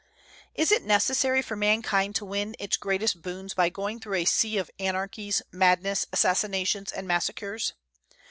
Is it necessary for mankind to win its greatest boons by going through a sea of anarchies, madness, assassinations, and massacres?